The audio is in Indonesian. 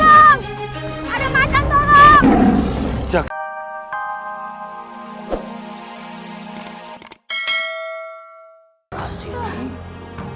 ada macam tolong